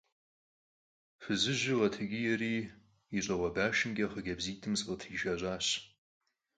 Фызыжьыр къатекӀиери и щӀакъуэ башымкӀэ хъыджэбзитӀым закъытришэщӀащ.